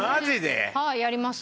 はいやります。